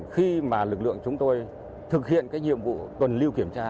khi mà lực lượng chúng tôi thực hiện cái nhiệm vụ tuần lưu kiểm tra